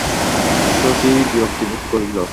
শশী বিরক্তি বোধ করিল।